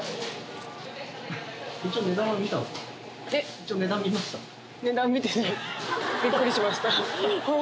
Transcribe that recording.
一応値段見ました？